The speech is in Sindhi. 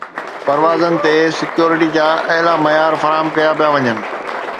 پروازن تي سيڪيورٽي جا اعليٰ معيار فراهم ڪيا پيا وڃن